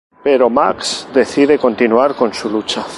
Pero Max decide continuar con su lucha.